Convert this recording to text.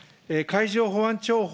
海上保安庁法